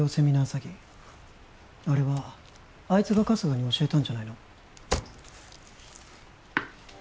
詐欺あれはあいつが春日に教えたんじゃないの？